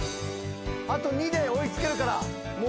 あと２で追い付けるから。